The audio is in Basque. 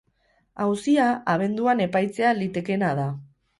Auzia abenduan epaitzea litekeena da.